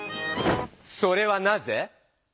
それはなぜ？